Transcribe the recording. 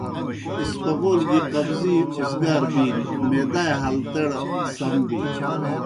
اسپغول گیْ قبضی اوزگار بِینیْ، معدائےحالتڑ سَم بِینیْ۔